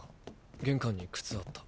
玄関にクツあった。